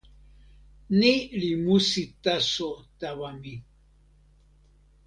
ni li musi taso tawa mi.